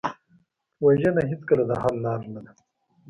وژنه هېڅکله د حل لاره نه ده